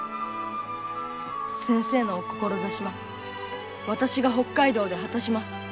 先生のお志は私が北海道で果たします。